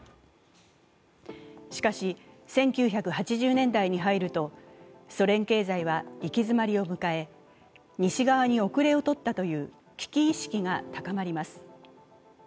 しかし、１９８０年代に入るとソ連経済は行き詰まりを迎え西側に遅れをとったという危機意識が高まります。